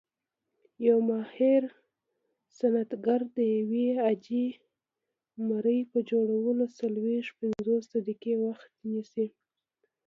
یو ماهر صنعتګر د یوې عاجي مرۍ په جوړولو څلويښت - پنځوس دقیقې وخت نیسي.